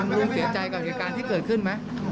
ลุงเสียใจกับเหตุการณ์ที่เกิดขึ้นไหม